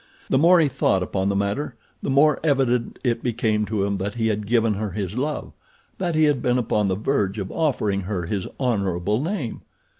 The more he thought upon the matter the more evident it became to him that he had given her his love—that he had been upon the verge of offering her his honorable name.